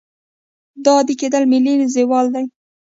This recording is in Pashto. دا عادي کېدل ملي زوال دی.